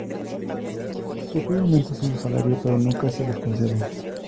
Justo pide aumentos en su salario, pero nunca se los conceden.